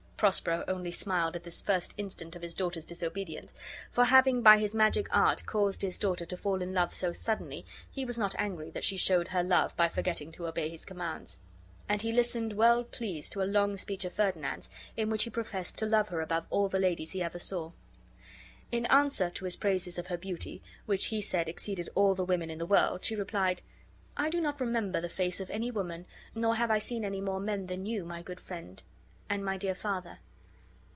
Prospero only smiled at this first instance of his daughter's disobedience, for having by his magic art caused his daughter to fall in love so suddenly, he was not angry that she showed her love by forgetting to obey his commands. And he listened well pleased to a long speech of Ferdinand's, in which he professed to love her above all the ladies he ever saw. In answer to his praises of her beauty, which he said exceeded all the women in the world, she replied: "I do not remember the face of any woman, nor have I seen any more men than you, my good friend, and my dear father.